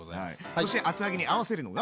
そして厚揚げに合わせるのが？